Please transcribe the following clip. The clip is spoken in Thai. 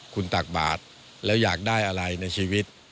คุณตักบาทแล้วอยากได้อะไรในชีวิต